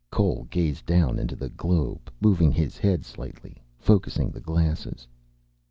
Cole gazed down into the globe, moving his head slightly, focussing the glasses.